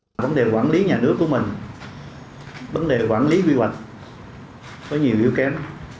vấn đề quản lý nhà nước của mình vấn đề quản lý quy hoạch có nhiều yếu kém